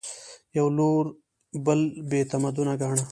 یوه لوري بل بې تمدنه ګاڼه